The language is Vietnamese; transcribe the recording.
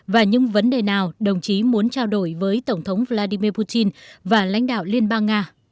và những vấn đề nào đồng chí muốn trao đổi với tổng thống vladimir putin và lãnh đạo liên bang nga